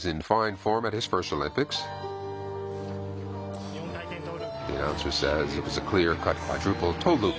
４回転トーループ。